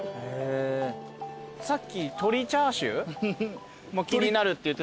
さっき鶏チャーシュー気になるって言ってたね。